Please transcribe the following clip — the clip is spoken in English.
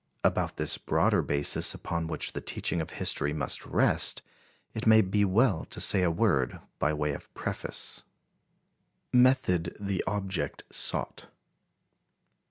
About this broader basis upon which the teaching of history must rest, it may be well to say a word by way of preface. Method the Object Sought.